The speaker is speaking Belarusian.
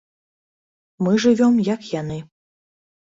Мы жывём як яны.